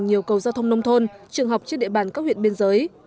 nhiều cầu giao thông nông thôn trường học trên địa bàn các huyện biên giới